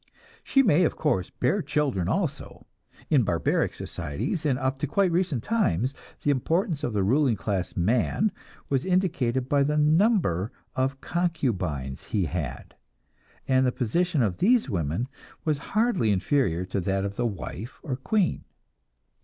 She may, of course, bear children also. In barbaric societies, and up to quite recent times, the importance of the ruling class man was indicated by the number of concubines he had, and the position of these women was hardly inferior to that of the wife or queen.